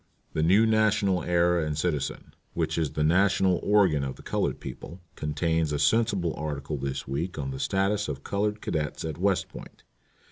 "The New National Era and Citizen, which is the national organ of the colored people, contains a sensible article this week on the status of colored cadets at West Point.